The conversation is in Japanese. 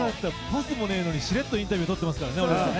パスもないのにしれっとインタビュー撮っていますからね。